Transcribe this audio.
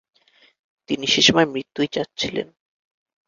তিনি সে সময় মৃত্যুই চাচ্ছিলেন।